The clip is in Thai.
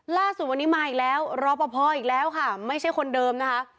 ล่าสุดวันนี้มาอีกแล้วรอปภอีกแล้วค่ะไม่ใช่คนเดิมนะคะ